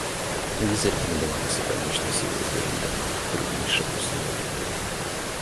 Они зарекомендовали себя мощной силой перемен в труднейших условиях.